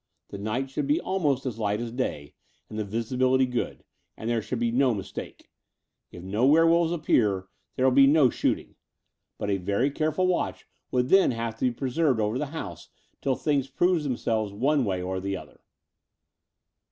The night should be almost as light as day, and the visibility good; and there should be no mistake. If no werewolves appear, there will be no shooting; but a very careful watch would then have to be preserved over the house till things prove them selves one way or the other."